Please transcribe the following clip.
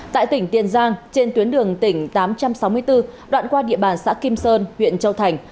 tại tỉnh tiền giang trên tuyến đường tỉnh tám trăm sáu mươi bốn đoạn qua địa bàn xã kim sơn huyện châu thành